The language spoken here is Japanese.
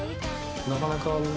なかなかね。